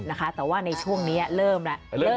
นะคะแต่ว่าช่วงนี้เริ่มและ